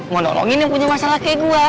mau dorongin yang punya masalah kayak gue